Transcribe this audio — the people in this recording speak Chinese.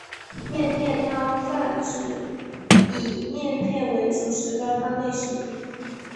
面片汤泛指以面片为主食的汤类食品。